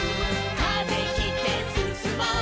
「風切ってすすもう」